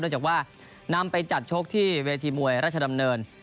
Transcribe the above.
จากว่านำไปจัดชกที่เวทีมวยราชดำเนิน